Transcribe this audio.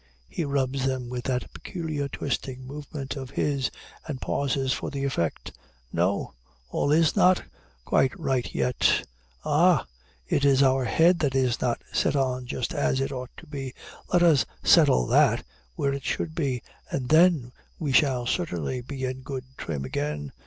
He rubs them with that peculiar twisting movement of his, and pauses for the effect. No! all is not quite right yet. Ah! it is our head that is not set on just as it ought to be. Let us settle that where it should be, and then we shall certainly be in good trim again.